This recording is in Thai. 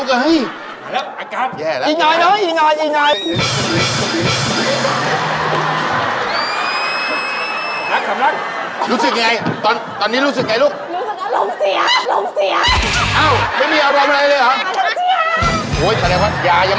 จะเหยียบกันตาย